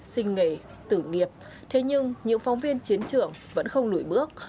sinh nghề tử nghiệp thế nhưng những phóng viên chiến trường vẫn không lùi bước